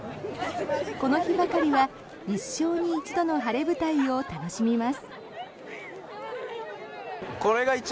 この日ばかりは一生に一度の晴れ舞台を楽しみます。